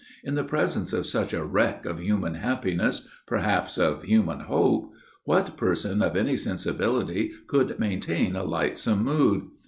In the presence of such a wreck of human happiness, perhaps of human hope, what person of any sensibility could maintain a lightsome mood?